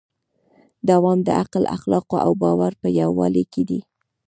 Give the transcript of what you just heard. دوام د عقل، اخلاقو او باور په یووالي کې دی.